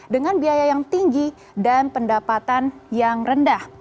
dengan biaya yang tinggi dan pendapatan yang rendah